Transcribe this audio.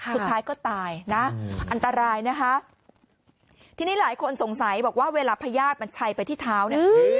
สุดท้ายก็ตายนะอันตรายนะคะทีนี้หลายคนสงสัยบอกว่าเวลาพญาติมันชัยไปที่เท้าเนี่ย